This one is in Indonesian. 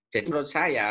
jadi menurut saya